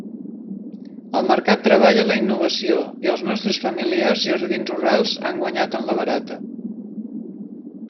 El mercat treballa la innovació i els nostres familiars jardins rurals han guanyat en la barata.